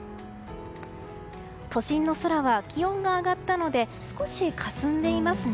都心の空は気温が上がったので少しかすんでいますね。